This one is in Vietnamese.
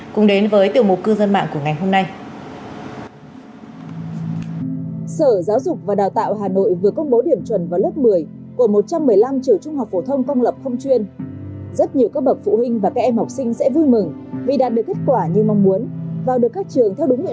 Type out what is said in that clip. cùng đến với tiểu mục cư dân mạng của ngày hôm nay